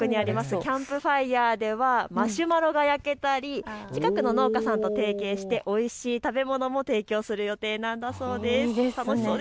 キャンプファイアではマシュマロが焼けたり近くの農家さんと提携しておいしい食べ物も提供する予定なんだそうです。